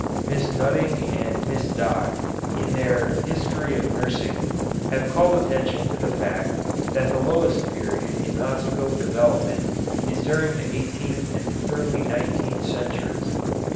Miss Nutting and Miss Dock in their "History of Nursing" have called attention to the fact that the lowest period in hospital development is during the eighteenth and early nineteenth centuries.